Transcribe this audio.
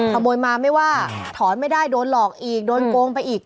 ขโมยมาไม่ว่าถอนไม่ได้โดนหลอกอีกโดนโกงไปอีก